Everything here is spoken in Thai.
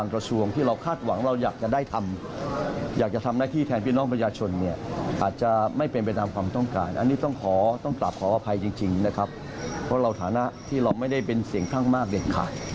เพราะเราฐานะที่เราไม่ได้เป็นเสียงท่างมากเด็ดขาด